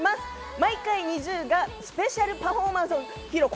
毎回ＮｉｚｉＵがスペシャルパフォーマンスを披露。